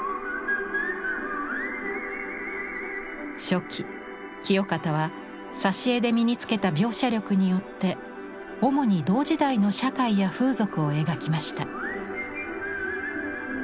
初期清方は挿絵で身につけた描写力によって主に同時代の社会や風俗を描きました。